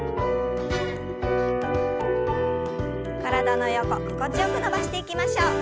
体の横心地よく伸ばしていきましょう。